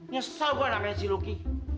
nyesel gue namanya si luki